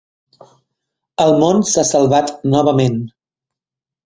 El món s'ha salvat novament.